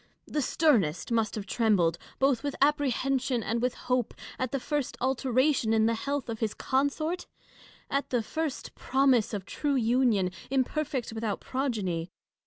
The sternest must have trembled, both with apprehension and with hope, at the first alteration in the health of his consort ; at the first promise of true union, imperfect without progeny.